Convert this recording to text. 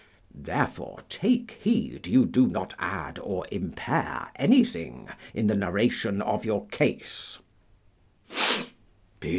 Therefore take heed you do not add nor impair anything in the narration of your case.